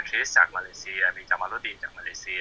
แล้วช่างคนนั้นเนี่ยหมอค่าเครื่องมือ